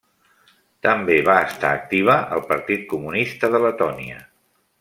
També va estar activa al Partit Comunista de Letònia.